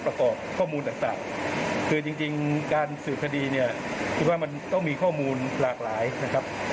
ประกอบข้อมูลต่างคือจริงการสืบคดีเนี่ยคิดว่ามันต้องมีข้อมูลหลากหลายนะครับ